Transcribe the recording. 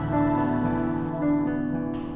apa yang terjadi